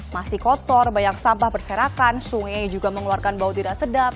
masih kotor banyak sampah berserakan sungai juga mengeluarkan bau tidak sedap